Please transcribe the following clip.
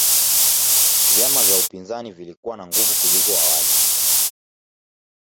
vyama vya upinzani vilikuwa na nguvu kuliko awali